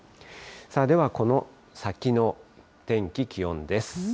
では、この先の天気、気温です。